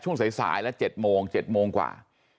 ช่วงสายละ๗โมง๗โมงกว่า